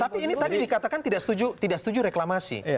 tapi ini tadi dikatakan tidak setuju reklamasi